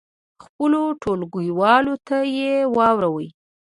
خپلو ټولګیوالو ته یې واوروئ.